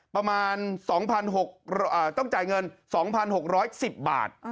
ประมาณ๒๖๐๐ต้องจ่ายเงิน๒๖๑๐บาท